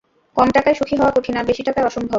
কম টাকায় সুখী হওয়া কঠিন, আর বেশি টাকায় অসম্ভব।